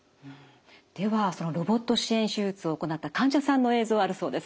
ではそのロボット支援手術を行った患者さんの映像あるそうです。